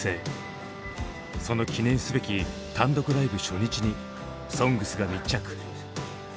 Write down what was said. その記念すべき単独ライブ初日に「ＳＯＮＧＳ」が密着。